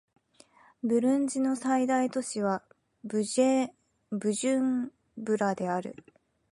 ブルンジの最大都市はブジュンブラである